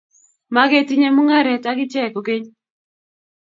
Maketinye mung'aret ak icheg kokeny.